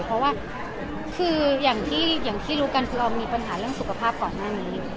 เพราะว่าคืออย่างที่รู้กันคือเรามีปัญหาเรื่องสุขภาพก่อนหน้านี้